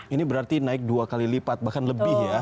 ini berarti naik dua kali lipat bahkan lebih ya